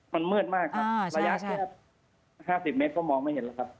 มันมืดมากครับระยะแค่๕๐เมตรก็มองไม่เห็นแล้วครับ